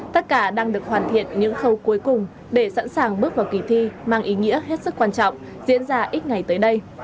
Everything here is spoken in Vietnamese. tất cả đang được hoàn thiện những khâu cuối cùng để sẵn sàng bước vào kỳ thi mang ý nghĩa hết sức quan trọng diễn ra ít ngày tới đây